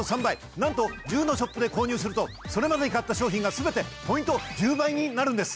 なんと１０のショップで購入するとそれまでに買った商品が全てポイント１０倍になるんです！